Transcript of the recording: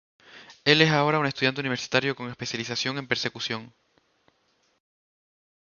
Él es ahora un estudiante universitario con especialización en percusión.